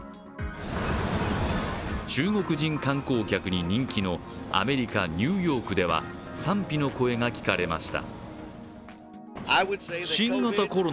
中国人観光客に人気のアメリカ・ニューヨークでは賛否の声が聞かれました。